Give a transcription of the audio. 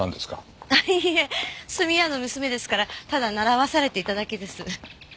いいえ墨屋の娘ですからただ習わされていただけです。